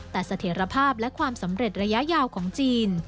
แต่เสถียรภาพและความสำเร็จระยะยาวของจีน